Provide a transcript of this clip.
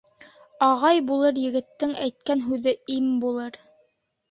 Ағай булыр егеттең әйткән һүҙе им булыр